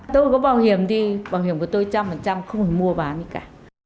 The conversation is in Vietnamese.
tôi có bảo hiểm thì bảo hiểm của tôi một trăm linh không hề mua bán gì cả